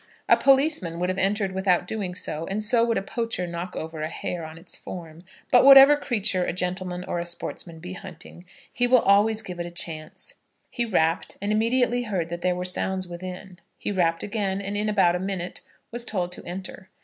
A policeman would have entered without doing so, and so would a poacher knock over a hare on its form; but whatever creature a gentleman or a sportsman be hunting, he will always give it a chance. He rapped, and immediately heard that there were sounds within. He rapped again, and in about a minute was told to enter.